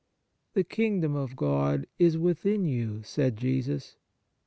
"The kingdom of God is within you,"* said Jesus.